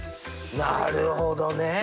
なるほどね。